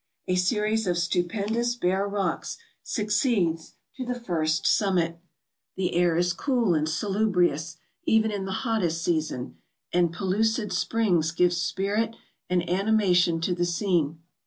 A series of stupendous bare rocks succeeds to the first summit. Tlie air is cool and salubrious, even in the hottest season; and pellucid springs give spirit and animation to the scene.